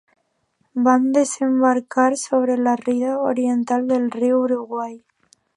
Van desembarcar sobre la riba oriental del riu Uruguai.